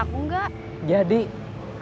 ya kan korban ikut